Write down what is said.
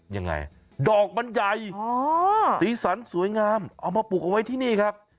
อย่างไงดอกมันใหญ่สีสรรสวยอย่างแต่ละเอามาปลูกเอาไว้นี้ครับ